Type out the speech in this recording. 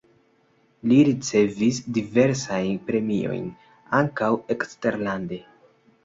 Li ricevis diversajn premiojn, ankaŭ eksterlande.